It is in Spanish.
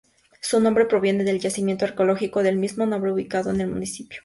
Su nombre proviene del yacimiento arqueológico del mismo nombre ubicado en el municipio.